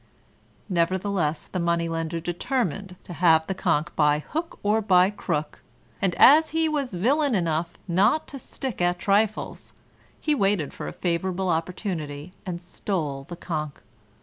Nevertheless, the Money lender determined to have the conch by hook or by crook, and, as he was villain enough not to stick at trifles, he waited for a favorable opportunity and stole the conch.